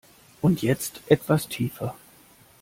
Und jetzt etwas tiefer!